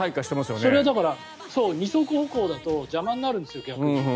それは二足歩行だと邪魔になるんですよ、逆に。